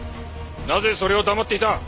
なぜそれを黙っていた？